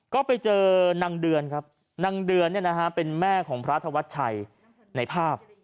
ก็ไปเจอนางเดือนครับนางเดือนเป็นแม่ของพระธวัชชัยในภาพ